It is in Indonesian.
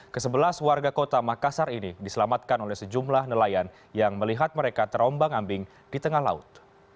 kesebelas warga kota makassar ini diselamatkan oleh sejumlah nelayan yang melihat mereka terombang ambing di tengah laut